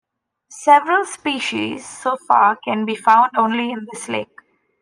Several species so far can be found only in this lake.